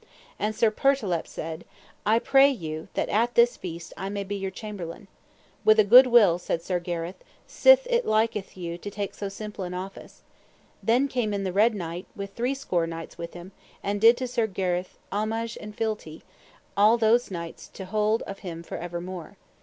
Also Sir Pertolepe said: I pray you that at this feast I may be your chamberlain. With a good will, said Sir Gareth sith it liketh you to take so simple an office. Then came in the Red Knight, with three score knights with him, and did to Sir Gareth homage and fealty, and all those knights to hold of him for evermore.